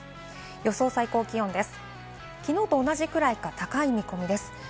予想最高気温です。